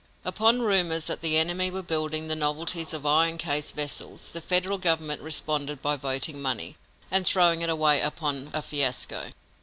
Upon rumors that the enemy were building the novelties of iron cased vessels, the Federal government responded by voting money and throwing it away upon a fiasco.